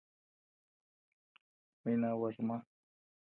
میناوږمه